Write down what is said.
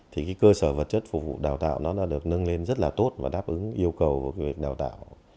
thì cái cơ sở vật chất phục vụ đào tạo nó đã được nâng lên rất là tốt và đáp ứng yêu cầu của việc đào tạo